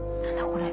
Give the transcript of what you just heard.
これ。